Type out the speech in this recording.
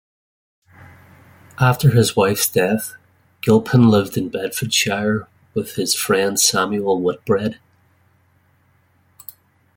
After his wife's death Gilpin lived in Bedfordshire with his friend Samuel Whitbread.